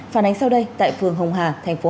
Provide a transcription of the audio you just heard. phản ánh sau đây tại phường hồng hà tp hạ long tp hcm